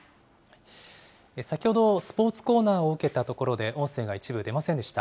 先ほどスポーツコーナーを受けたところで、音声が一部出ませんでした。